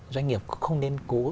doanh nghiệp cũng không nên cố